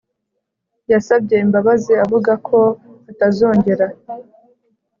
yasabye imbabazi avuga ko atazongera